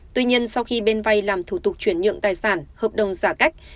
tuy nhiên sau khi bên vay làm thủ tục chuyển nhượng tài sản hợp đồng giả cách